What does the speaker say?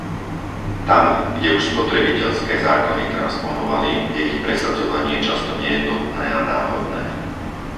Tam, kde už spotrebiteľské zákony transponovali, je ich presadzovanie často nejednotné a náhodné.